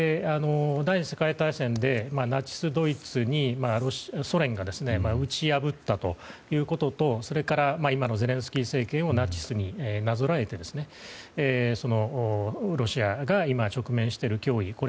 第２次世界大戦でナチスドイツにソ連が打ち破ったということとそれから今のゼレンスキー政権をナチスになぞらえてロシアが今直面している脅威